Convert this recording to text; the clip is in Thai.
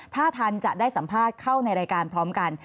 ถ้าทันจะได้สัมภาษณ์เข้าในรายการพร้อมกัน